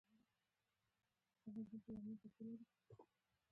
اخلاقي ارزښتونه له هر عمل سره تړاو ولري.